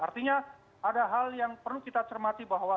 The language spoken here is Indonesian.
artinya ada hal yang perlu kita cermati bahwa